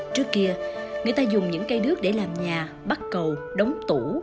trước kia người ta dùng những cây đước để làm nhà bắt cầu đóng tủ